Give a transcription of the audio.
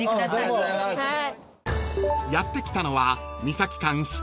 ［やって来たのは］